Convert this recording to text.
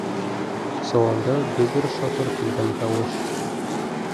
Соланда дөбөр-шатыр килгән тауыш.